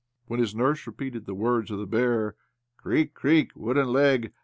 When his nurse repeated the words of the bear, " Creak, creak, wooden leg